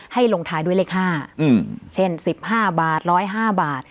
ลงท้ายด้วยเลข๕เช่น๑๕บาท๑๐๕บาท